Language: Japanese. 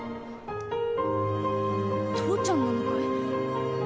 ！？父ちゃんなのかい！？